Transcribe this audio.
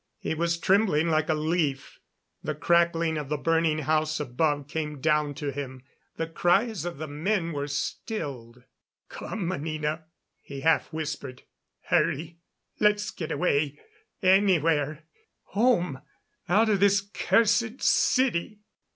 He was trembling like a leaf. The crackling of the burning house above came down to him; the cries of the men were stilled. "Come, Anina," he half whispered. "Hurry let's get away, anywhere. Home out of this cursed city."